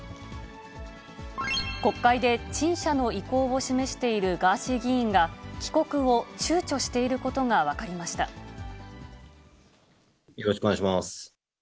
国会で陳謝の意向を示しているガーシー議員が、帰国をちゅうちょよろしくお願いします。